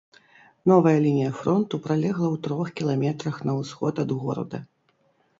Новая лінія фронту пралегла ў трох кіламетрах на ўсход ад горада.